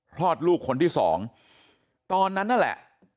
คลอดลูกคนที่สองตอนนั้นนั่นแหละ